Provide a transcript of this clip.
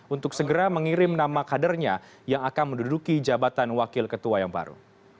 untuk segera mengirim nama kadernya yang akan menduduki jabatan wakil ketua yang baru